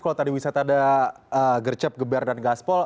kalau tadi wisata ada gercep geber dan gaspol